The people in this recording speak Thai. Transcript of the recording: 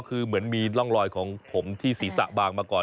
คือเหมือนมีร่องรอยของผมที่ศีรษะบางมาก่อน